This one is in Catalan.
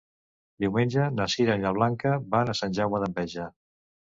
Diumenge na Sira i na Blanca van a Sant Jaume d'Enveja.